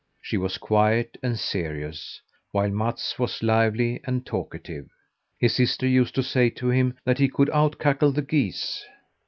She was quiet and serious, while Mats was lively and talkative. His sister used to say to him that he could outcackle the geese.